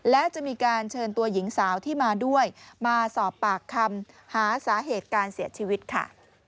และจะมีการเชิญตัวหญิงสาวที่มาด้วยมาสอบปากคำหาสาเหตุการเสียชีวิตค่ะ